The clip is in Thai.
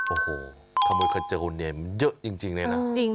โอ้โหคำวิดขัดเจอคนเนี่ยเยอะจริงเลยนะ